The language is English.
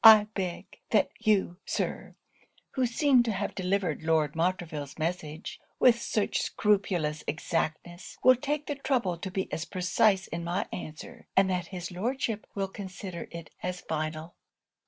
I beg that you, Sir, who seem to have delivered Lord Montreville's message, with such scrupulous exactness, will take the trouble to be as precise in my answer; and that his Lordship will consider it as final.'